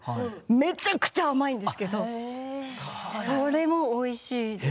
めちゃくちゃ甘いですけどそれもおいしいです。